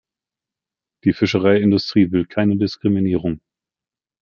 Die Fischereiindustrie will keine Diskriminierung.